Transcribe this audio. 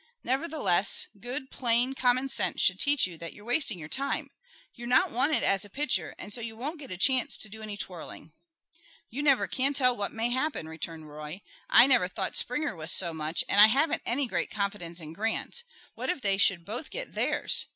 "Nevertheless, good, plain, common sense should teach you that you're wasting your time. You're not wanted as a pitcher, and so you won't get a chance to do any twirling." "You never can tell what may happen," returned Roy. "I never thought Springer was so much, and I haven't any great confidence in Grant. What if they should both get theirs?